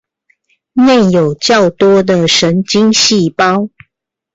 內有較多的神經細胞